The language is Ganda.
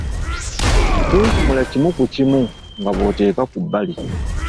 Kunkumula kimu ku kimu nga bw'oteeka ku bbali.